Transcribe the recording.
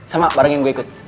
sama barengin gue ikut